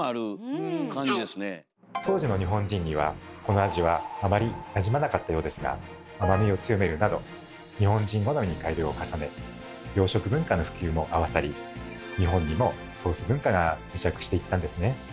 当時の日本人にはこの味はあまりなじまなかったようですが甘みを強めるなど日本人好みに改良を重ね洋食文化の普及も合わさり日本にもソース文化が定着していったんですね。